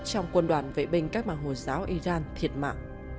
trong quân đoàn vệ binh cách mạng hồi giáo iran thiệt mạng